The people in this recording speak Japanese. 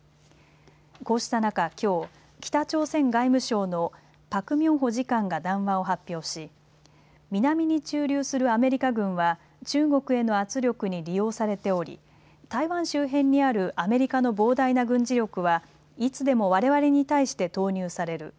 こうした中、きょう北朝鮮外務省のパク・ミョンホ次官が談話を発表し南に駐留するアメリカ軍は中国への圧力に利用されており台湾周辺にあるアメリカの膨大な軍事力はいつでもわれわれに対して投入される。